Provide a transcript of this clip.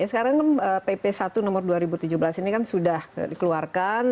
sekarang pp satu nomor dua ribu tujuh belas ini kan sudah dikeluarkan